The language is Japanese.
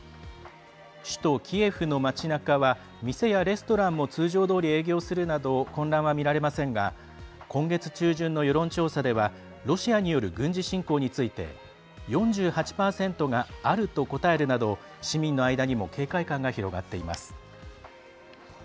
首都キエフの街なかは店やレストランも通常どおり営業するなど混乱は見られませんが今月中旬の世論調査ではロシアによる軍事侵攻について４８％が「ある」と答えるなど市民の間にも警戒感が広がっています。